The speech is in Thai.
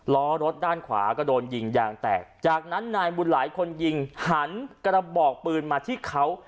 ล้อรถด้านขวาก็โดนยิงยางแตกจากนั้นนายบุญหลายคนยิงหันกระบอกปืนมาที่เขา